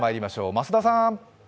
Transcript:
増田さん。